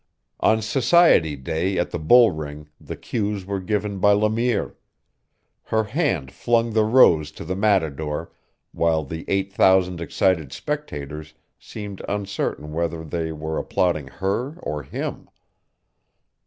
On society day at the bull ring the cues were given by Le Mire; her hand flung the rose to the matador, while the eight thousand excited spectators seemed uncertain whether they were applauding her or him.